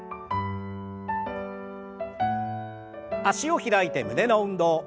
脚を開いて胸の運動。